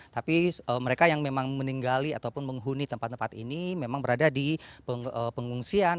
tapi mereka yang memang meninggali ataupun menghuni tempat tempat ini memang berada di pengungsian